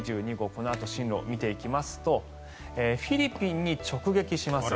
このあとの進路を見ていきますとフィリピンに直撃します。